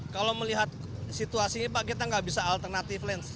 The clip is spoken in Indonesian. kalau melihat situasi ini pak kita nggak bisa alternatif lens